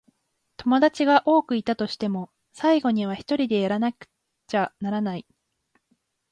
友達が多くいたとしても、最後にはひとりでやらなくちゃならない。